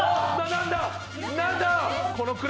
何だ！？